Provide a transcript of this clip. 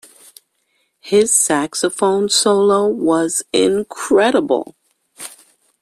His saxophone solo was incredible.